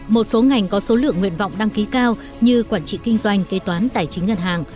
một số ngành có số lượng nguyện vọng đăng ký cao như quản trị kinh doanh kế toán tài chính ngân hàng